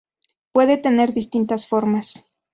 Puede tener distintas formas.